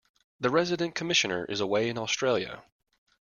The Resident Commissioner is away in Australia.